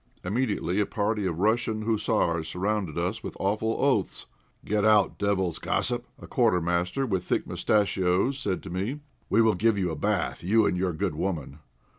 Immediately a party of Russian hussars surrounded us with awful oaths. "Get out, devil's gossip!" a Quartermaster with thick moustachios said to me. "We'll give you a bath, you and your good woman!"